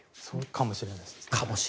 かもしれないです。